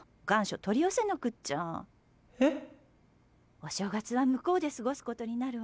お正月は向こうで過ごすことになるわ。